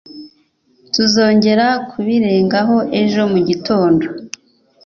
Tuzongera kubirengaho ejo mugitondo.